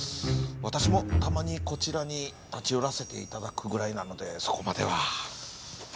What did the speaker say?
私もたまにこちらに立ち寄らせていただくぐらいなのでそこまでは。